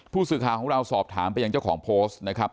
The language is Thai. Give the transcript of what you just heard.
ผู้สื่อข่าวของเราสอบถามไปยังเจ้าของโพสต์นะครับ